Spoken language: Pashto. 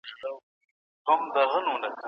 خپلي پایلي پخپله وسنجوئ.